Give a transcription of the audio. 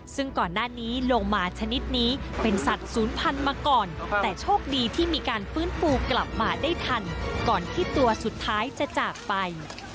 ซึ่งก่อนหน้านี้ลงมาชนิดนี้เป็นสัตว์ศูนย์พันธุ์มาก่อนแต่โชคดีที่มีการฟื้นฟูกลับมาได้ทันก่อนที่ตัวสุดท้ายจะจากไป